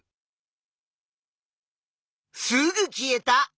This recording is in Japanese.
すぐ消えた。